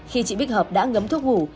khi chị bích hợp đã ngấm thuốc ngủ